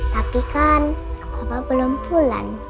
tapi kan belum pulang